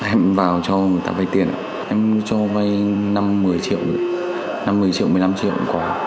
em vào cho người ta vay tiền em cho vay năm một mươi triệu năm một mươi triệu một mươi năm triệu cũng có